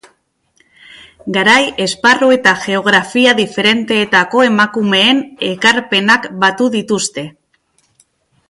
Garai, esparru eta geografia diferenteetako emakumeen ekarpenak batu dituzte.